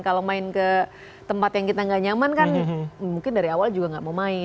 kalau main ke tempat yang kita nggak nyaman kan mungkin dari awal juga nggak mau main